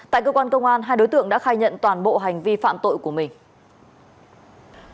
tại cơ quan công an hai đối tượng đã khai nhận toàn bộ hành vi phạm tội của mình